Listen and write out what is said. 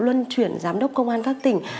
luân chuyển giám đốc công an các tỉnh